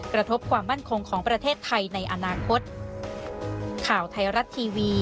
กระทบความมั่นคงของประเทศไทยในอนาคต